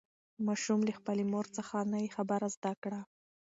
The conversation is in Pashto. ماشوم له خپلې مور څخه نوې خبره زده کړه